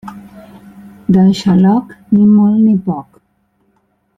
Del xaloc, ni molt ni poc.